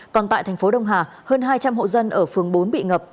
còn tại thành phố đông hà hơn hai trăm linh hộ dân ở phường bốn bị ngập